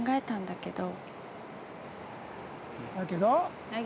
「だけど」？